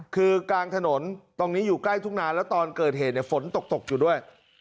คือกลางถนนตรงนี้อยู่ใกล้ทุ่งนาแล้วตอนเกิดเหตุฝนตกอยู่ด้วย